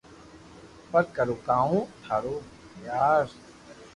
پر ڪرو ڪاو ٿارو يار